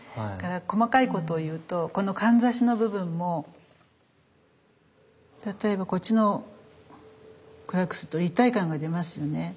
だから細かいことを言うとこのかんざしの部分も例えばこっちを暗くすると立体感が出ますよね。